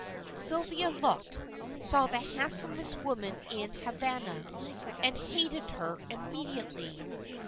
Sylvia looked, saw the handsomest woman in Havana, and hated her immediately.